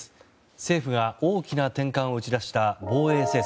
政府が大きな転換を打ち出した防衛政策。